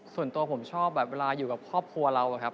ส่วนตัวผมชอบแบบเวลาอยู่กับครอบครัวเราอะครับ